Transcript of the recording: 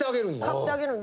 買ってあげる。